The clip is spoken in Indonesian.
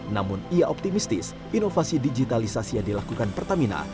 namun ia optimistis inovasi digitalisasi yang dilakukan pertamina